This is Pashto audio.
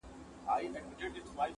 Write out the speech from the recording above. شپه او ورځ مي په خوارۍ دئ ځان وژلى -